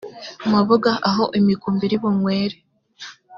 mabuga aho imikumbi iri bunywere